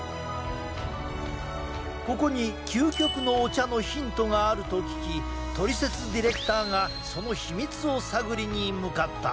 ここに究極のお茶のヒントがあると聞き「トリセツ」ディレクターがその秘密を探りに向かった。